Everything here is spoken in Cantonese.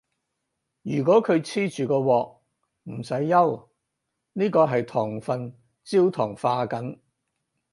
如果佢黐住個鑊，唔使憂，呢個係糖分焦糖化緊